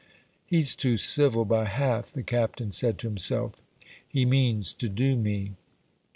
"He's too civil by half," the Captain said to himself; "he means to do me."